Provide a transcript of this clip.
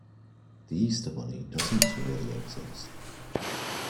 The Easter Bunny doesn’t really exist.